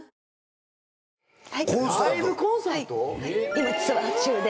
今ツアー中で。